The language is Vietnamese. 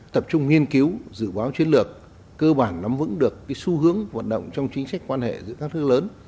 tập trung nghiên cứu dự báo chiến lược cơ bản nắm vững được xu hướng hoạt động trong chính sách quan hệ giữa các thương lớn